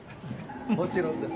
もちろんです。